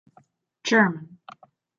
German.